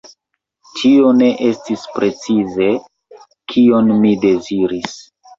Tio ne estis precize, kion mi deziris.